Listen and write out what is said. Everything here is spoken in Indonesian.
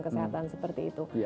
kesehatan seperti itu